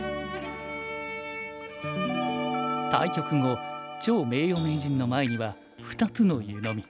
対局後趙名誉名人の前には２つの湯飲み。